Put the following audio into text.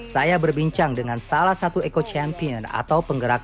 saya berbincang dengan salah satu eco champion atau penggerak